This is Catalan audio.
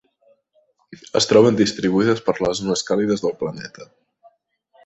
Es troben distribuïdes per les zones càlides del planeta.